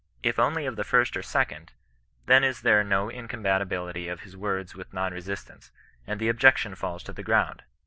If only of the j'^r^^ or second^ then is there no incompatibility of his words with non resist ance, and the objection falls to the ground.